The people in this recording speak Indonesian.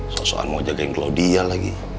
sosokan mau jagain glodia lagi